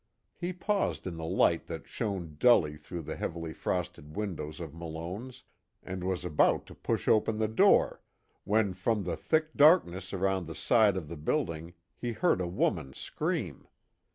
He paused in the light that shone dully through the heavily frosted windows of Malone's and was about to push open the door, when from the thick darkness around the side of the building he heard a woman scream.